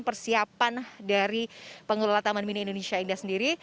persiapan dari pengelola taman mini indonesia indah sendiri